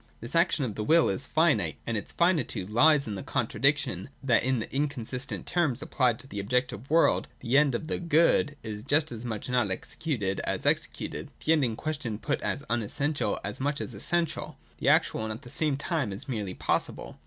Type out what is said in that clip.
234.] This action of the Will is finite : and its finitude lies in the contradiction that in the inconsistent terms applied to the objective world the End of the Good is just as much not executed as executed, — the end B b 2 372 THE DOCTRINE OF THE NOTION. [234. in question put as unessential as much as essential, — as actual and at the same time as merely possible.